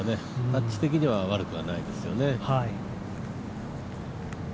タッチ的には悪くはないですよね。